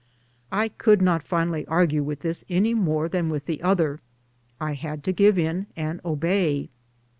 I could not finally argue with this any more than with the other, I had to give in and obey.